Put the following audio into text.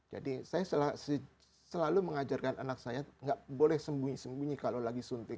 jadi saya selalu mengajarkan anak saya tidak boleh sembunyi sembunyi kalau lagi suntik